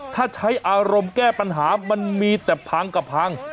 ถ้าใช้อารมณ์แก้ปัญหามันมีแต่พังกับพัง